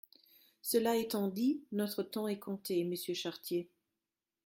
Cela étant dit, notre temps est compté, monsieur Chartier.